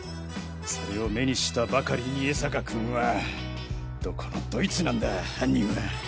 それを目にしたばかりに江坂君は。どこのどいつなんだ犯人は！